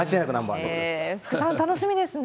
福さん、楽しみですね。